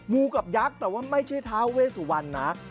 มูกับยักษ์แต่ว่าไม่ใช่ทาวเวสวันนะ